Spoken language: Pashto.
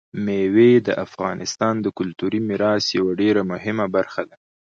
مېوې د افغانستان د کلتوري میراث یوه ډېره مهمه برخه ده.